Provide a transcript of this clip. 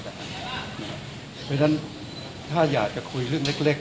เพราะฉะนั้นถ้าอยากจะคุยเรื่องเล็ก